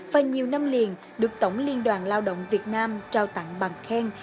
và nhiều năm liền được tổng liên đoàn lao động việt nam trao tặng bằng khen